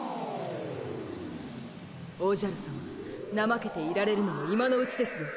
おじゃるさまなまけていられるのも今のうちですぞ。